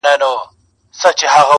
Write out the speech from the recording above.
او ښکنځل نه اورېدلي او نه مي -